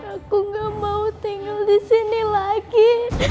aku gak mau tinggal disini lagi